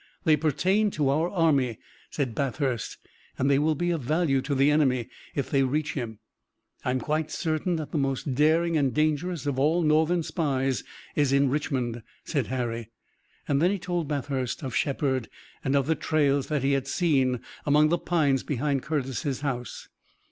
"They pertain to our army," said Bathurst, "and they will be of value to the enemy, if they reach him." "I'm quite certain that the most daring and dangerous of all northern spies is in Richmond," said Harry. Then he told Bathurst of Shepard and of the trails that he had seen among the pines behind Curtis's house.